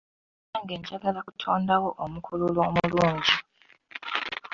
Nange njagala kutondawo omukululo omulungi.